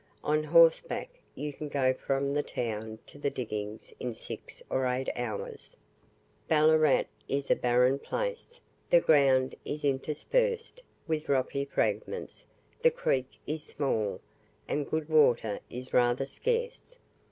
On horseback you can go from the town to the diggings in six or eight hours. Ballarat is a barren place, the ground is interspersed with rocky fragments, the creek is small, and good water is rather scarce.